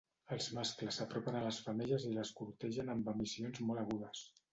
Els mascles s"apropen a les femelles i les cortegen amb emissions molt agudes.